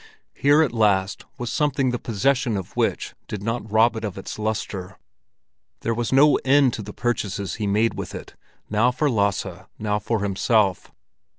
Here at last was something the possession of which did not rob it of its lustre. There was no end to the purchases he made with it, now for Lasse, now for himself.